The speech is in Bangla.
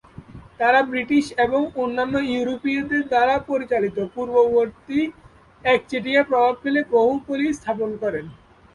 তারা ব্রিটিশ এবং অন্যান্য ইউরোপীয়দের দ্বারা পরিচালিত পূর্ববর্তী একচেটিয়া প্রভাব ভেঙে বহু কলি স্থাপন করে।